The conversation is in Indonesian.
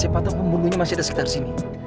ya allah ya allah